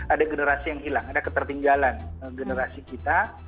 ada generasi yang hilang ada ketertinggalan generasi kita